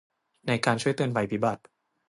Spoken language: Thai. ในการช่วยเตือนภัยพิบัติ